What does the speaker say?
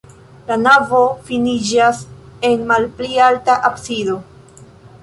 La navo finiĝas en malpli alta absido.